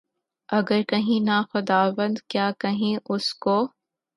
اگر کہیں نہ خداوند، کیا کہیں اُس کو؟